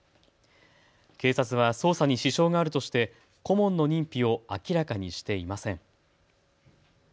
警察は捜査に支障があるとして顧問の認否を明らかにしていません。